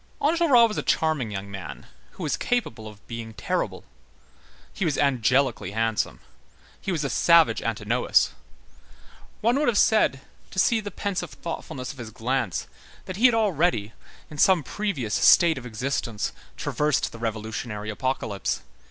Enjolras was a charming young man, who was capable of being terrible. He was angelically handsome. He was a savage Antinous. One would have said, to see the pensive thoughtfulness of his glance, that he had already, in some previous state of existence, traversed the revolutionary apocalypse.